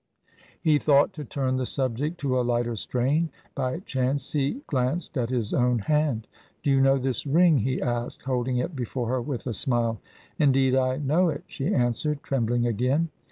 He thought to turn the subject to a lighter strain. By chance he glanced at his own hand. "Do you know this ring?" he asked, holding it before her, with a smile. "Indeed, I know it," she answered, trembling again.